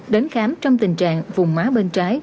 đến khám trong tình trạng vùng má bên trái